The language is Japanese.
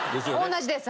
同じです。